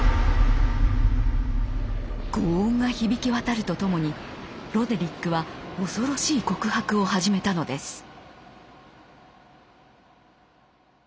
轟音が響き渡るとともにロデリックは恐ろしい告白を始めたのです。